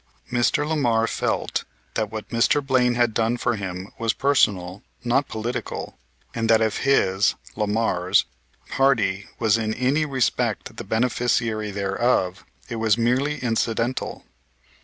Mr. Lamar felt that what Mr. Blaine had done for him was personal, not political, and that if his, Lamar's, party was in any respect the beneficiary thereof, it was merely incidental.